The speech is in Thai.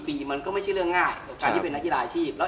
ปีมันก็ไม่ใช่เรื่องง่ายกับการที่เป็นนักกีฬาอาชีพแล้ว